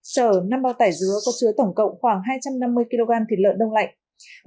sở năm bao tải dứa có chứa tổng cộng khoảng hai trăm năm mươi kg thịt lợn đông lạnh